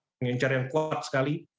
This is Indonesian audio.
diencariin kuat sekali